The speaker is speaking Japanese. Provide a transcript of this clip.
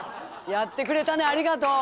やってくれたねありがとう！